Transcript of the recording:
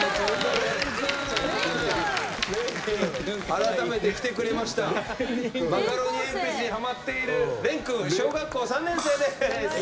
改めて来てくれましたマカロニえんぴつにハマっているれんくん小学校３年生です。